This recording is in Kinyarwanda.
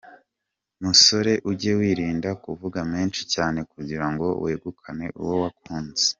Musore ujye wirinda kuvuga menshi cyane kugira ngo wegukane uwo wakunze.